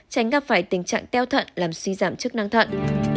tránh gặp phải tình trạng teo thận làm suy giảm chức năng thận